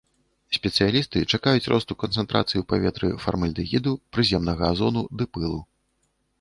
Спецыялісты чакаюць росту канцэнтрацыі ў паветры фармальдэгіду, прыземнага азону ды пылу.